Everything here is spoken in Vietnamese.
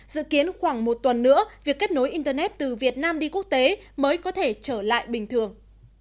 dự kiến khoảng một tuần nữa việc kết nối internet từ việt nam đi quốc tế mới có thể trở lại bình thường